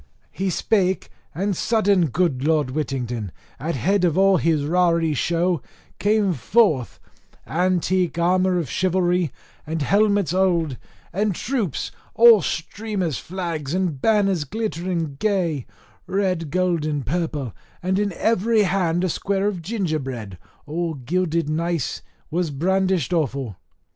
He spake, and sudden good Lord Whittington, at head of all his raree show, came forth, armour antique of chivalry, and helmets old, and troops, all streamers, flags and banners glittering gay, red, gold, and purple; and in every hand a square of gingerbread, all gilded nice, was brandished awful.